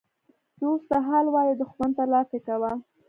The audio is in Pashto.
ـ دوست ته حال وایه دښمن ته لافي کوه.